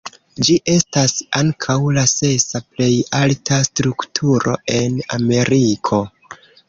Ĝi estas ankaŭ la sesa plej alta strukturo en Ameriko.